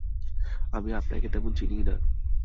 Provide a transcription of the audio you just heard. আমি আপনাকে তেমন চিনিই না।